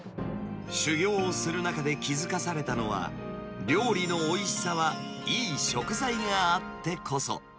修業をする中で気付かされたのは、料理のおいしさはいい食材があってこそ。